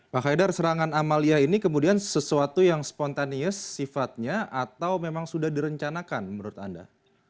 pak haidar serangan amalia ini kemudian sesuatu yang spontanius sifatnya atau memang sudah direncanakan menurut anda